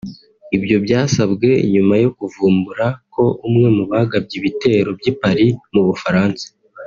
Ibyo byasabwe nyuma yo kuvumbura ko umwe mu bagabye ibitero by’i Paris mu Bufaransa